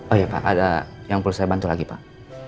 oh ya pak ada yang perlu saya bantu lagi pak